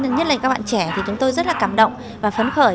nhất là các bạn trẻ thì chúng tôi rất là cảm động và phấn khởi